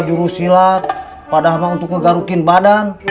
jurusilat padahal untuk kegarukin badan